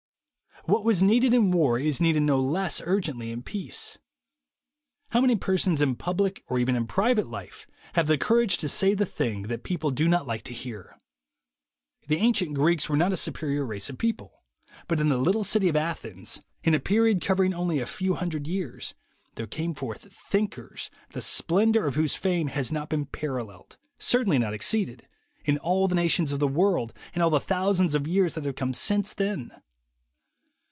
What was needed in war is needed no less ur gently in peace. How many persons in public or even in private life have the courage to say the thing that people do not like to hear ? The ancient Greeks were not a superior race of people, but in the little city of Athens, in a period covering only a few hundred years, there came forth thinkers the splen dor of whose fame has not been paralleled, cer tainly not exceeded, in all the nations of the world in all the thousands of years that have come since then.